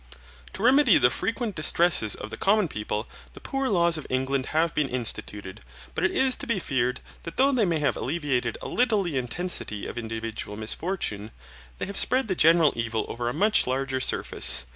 To remedy the frequent distresses of the common people, the poor laws of England have been instituted; but it is to be feared, that though they may have alleviated a little the intensity of individual misfortune, they have spread the general evil over a much larger surface.